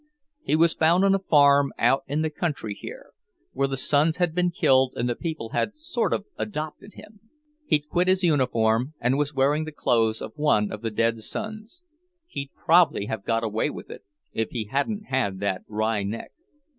He was found on a farm out in the country here, where the sons had been killed and the people had sort of adopted him. He'd quit his uniform and was wearing the clothes of one of the dead sons. He'd probably have got away with it, if he hadn't had that wry neck.